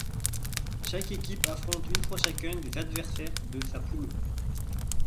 Chaque équipe affronte une fois chacun des adversaires de sa poule.